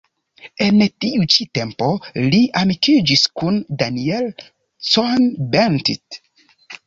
En tiu ĉi tempo li amikiĝis kun Daniel Cohn-Bendit.